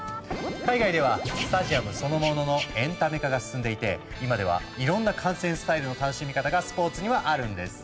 海外ではスタジアムそのもののエンタメ化が進んでいて今ではいろんな観戦スタイルの楽しみ方がスポーツにはあるんです。